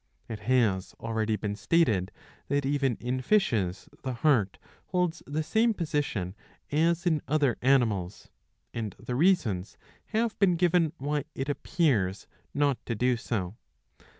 ^^ It has already been stated that even in fishes the heart holds the same position as in other animals ; and the reasons have been given why it appears not to do so.